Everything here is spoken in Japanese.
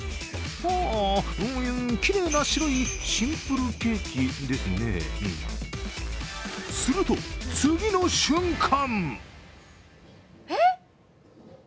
きれいな白いシンプルケーキですねすると、次の瞬間